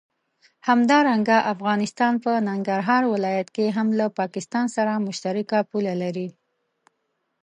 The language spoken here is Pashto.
همدارنګه افغانستان په ننګرهار ولايت کې هم له پاکستان سره مشترکه پوله لري.